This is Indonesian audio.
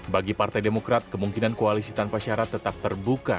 bagi partai demokrat kemungkinan koalisi tanpa syarat tetap terbuka